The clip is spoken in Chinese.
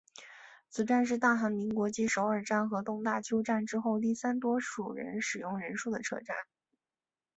此站是大韩民国继首尔站和东大邱站之后第三多使用人数的车站。